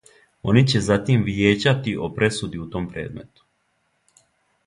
Они ће затим вијећати о пресуди у том предмету.